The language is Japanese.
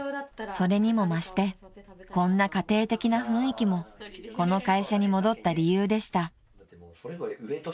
［それにも増してこんな家庭的な雰囲気もこの会社に戻った理由でした］